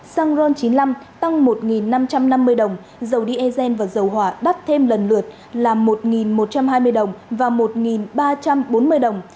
xăng ron chín mươi năm tăng một năm trăm năm mươi đồng dầu diesel và dầu hỏa đắt thêm lần lượt là một một trăm hai mươi đồng và một ba trăm bốn mươi đồng